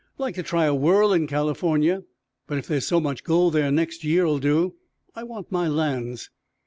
"Like to try a whirl in California, but if there's so much gold there next year'll do. I want my lands."